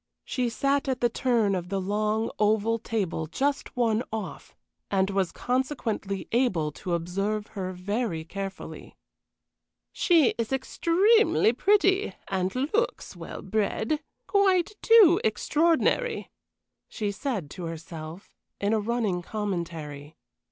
She sat at the turn of the long, oval table just one off, and was consequently able to observe her very carefully. "She is extremely pretty and looks well bred quite too extraordinary," she said to herself, in a running commentary.